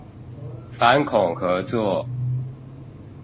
反恐合作